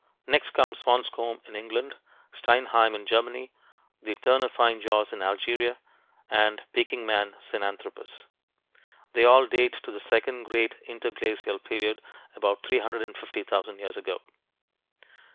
Next comes Swanscombe in England, Steinheim in Germany, the Ternafine jaws in Algeria, and Peking man, Sinanthropus. They all date to the second great interglacial period, about 350,000 years ago.